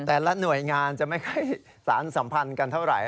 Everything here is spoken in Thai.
แต่ละหน่วยงานจะไม่ค่อยสารสัมพันธ์กันเท่าไหร่